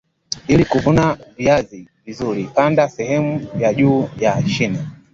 ili kuvuna viazi vizuri panda sehemu ya juu ya shina